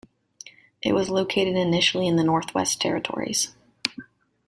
It was located initially in the Northwest Territories.